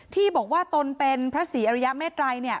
ที่บอกว่าตนเป็นพระศรีอริยเมตรัย